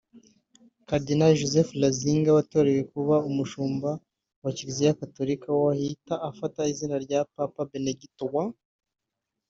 Kalidinari Joseph Ratzinger yatorewe kuba umushumba wa Kiliziya Gatolika wa ahita afata izina rya Papa Benedigito wa